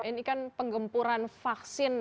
ini kan penggempuran vaksin